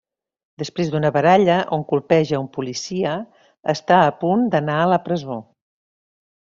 Després d'una baralla on colpeja un policia, està a punt d’anar a la presó.